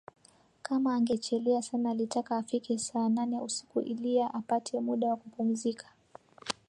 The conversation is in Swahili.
Kama angechelea sana alitaka afike saa nane usiku ilia apate muda wa kupumzika